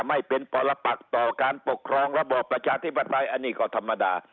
ไม่เป็นปรปักต่อการปกครองระบอบประชาธิปไตยอันนี้ก็ธรรมดา